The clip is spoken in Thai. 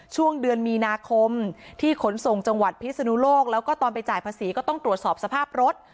ช่วงเดือนมีนาคมที่ขนส่งจังหวัดพิศนุโลกแล้วก็ตอนไปจ่ายภาษีก็ต้องตรวจสอบสภาพรถ